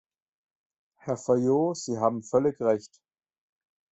Herr Fayot, Sie haben völlig recht.